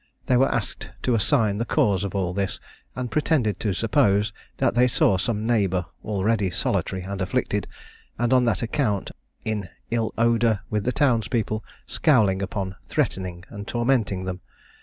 They were asked to assign the cause of all this; and pretended to suppose, that they saw some neighbour, already solitary and afflicted, and on that account in ill odour with the townspeople, scowling upon, threatening, and tormenting them.